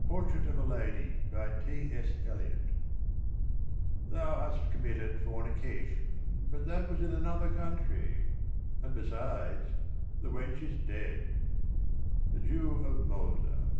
Portrait of a Lady Thou hast committed Fornication: but that was in another country And besides, the wench is dead. The Jew of Malta.